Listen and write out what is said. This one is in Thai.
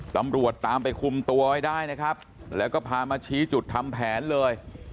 ตำรวจตามไปคุมตัวไว้ได้นะครับแล้วก็พามาชี้จุดทำแผนเลย